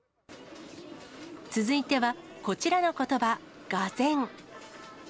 続いては、こちらのことば、がぜん。